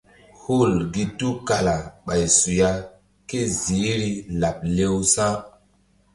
Hul gi tukala ɓay suya ké ziihri laɓ lewsa̧.